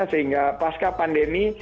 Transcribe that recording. sehingga pasca pandemi